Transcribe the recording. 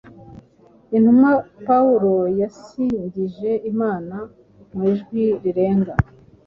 intumwa Pawulo yasingije Imana mu ijwi rirenga.